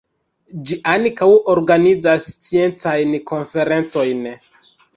Ĝi ankaŭ organizas sciencajn konferencojn.